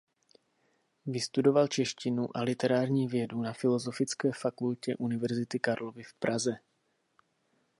Vystudoval češtinu a literární vědu na Filozofické fakultě Univerzity Karlovy v Praze.